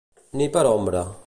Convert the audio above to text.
Ni per ombra.